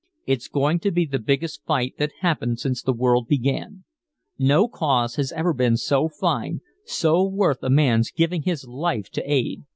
It's going to be the biggest fight that's happened since the world began! No cause has ever been so fine, so worth a man's giving his life to aid!